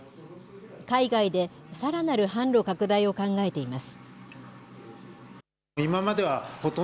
海外でさらなる販路拡大を考えています。